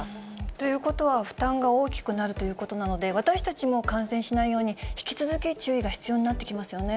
ということは、負担が大きくなるということなので、私たちも感染しないように、引き続き注意が必要になってきますよね。